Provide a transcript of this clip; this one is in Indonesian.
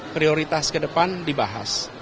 prioritas ke depan dibahas